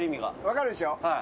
分かるでしょ？